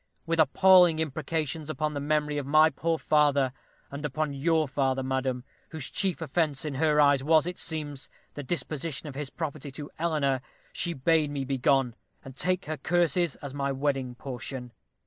With appalling imprecations upon the memory of my poor father, and upon your father, madam, whose chief offence in her eyes was, it seems, the disposition of his property to Eleanor, she bade me be gone, and take her curses as my wedding portion.